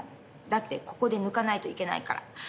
だってここで抜かないといけないから。